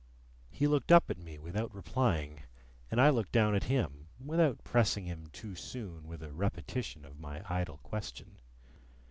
He looked up at me without replying, and I looked down at him without pressing him too soon with a repetition of my idle question.